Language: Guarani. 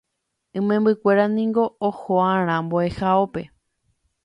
Imembykuéra niko oho'arã mbo'ehaópe.